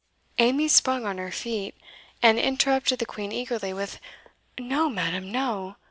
Amy sprung on her feet, and interrupted the Queen eagerly with, "No, madam, no!